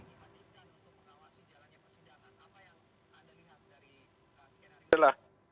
apa yang anda lihat dari skenario ini